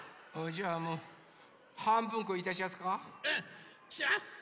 じゃあもうはんぶんこいたしやすか？